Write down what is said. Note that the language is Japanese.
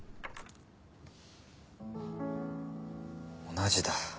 同じだ。